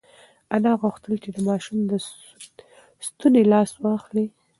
انا غوښتل چې د ماشوم له ستوني لاس واخلي.